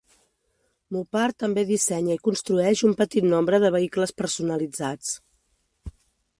Mopar també dissenya i construeix un petit nombre de vehicles personalitzats.